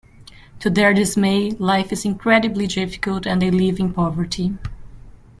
To their dismay, life is incredibly difficult and they live in poverty.